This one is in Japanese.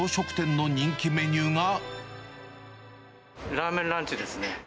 ラーメンランチですね。